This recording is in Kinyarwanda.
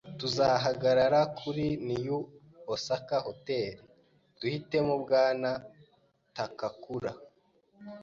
Tuzahagarara kuri New Osaka Hotel duhitemo Bwana Takakura.